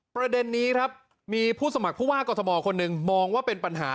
ประเด็นนี้ครับมีผู้สมัครผู้ว่ากรทมคนหนึ่งมองว่าเป็นปัญหา